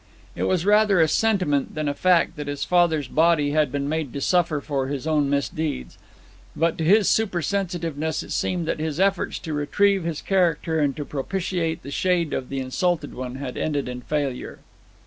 It was rather a sentiment than a fact that his father's body had been made to suffer for his own misdeeds; but to his super sensitiveness it seemed that his efforts to retrieve his character and to propitiate the shade of the insulted one had ended in failure.